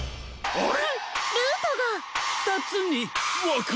あれ？